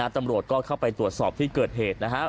ตำรวจเข้าไปตรวจสอบที่เกิดเหตุ